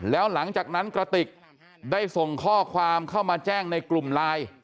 แล้วหลังจากนั้นกระติกได้ส่งข้อความเข้ามาแจ้งในกลุ่มไลน์